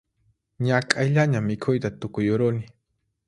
Ñak'ayllaña mikhuyta tukuyuruni